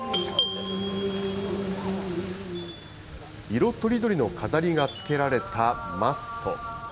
色とりどりの飾りがつけられたマスト。